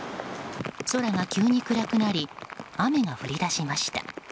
空が急に暗くなり雨が降り出しました。